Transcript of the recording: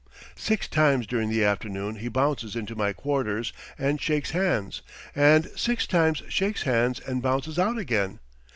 Six times during the afternoon he bounces into my quarters and shakes hands, and six times shakes hands and bounces out again.